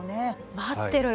待ってろよ